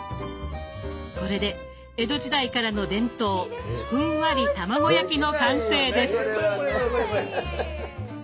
これで江戸時代からの伝統ふんわり卵焼きの完成です！